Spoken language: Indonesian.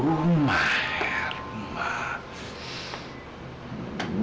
rumah ya rumah